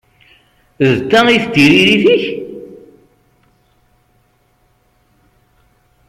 D ta i d tiririt-ik?